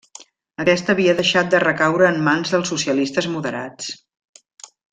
Aquest havia deixat de recaure en mans dels socialistes moderats.